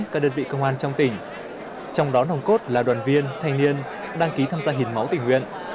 các đơn vị công an trong tỉnh trong đó nòng cốt là đoàn viên thanh niên đăng ký tham gia hiến máu tỉnh nguyện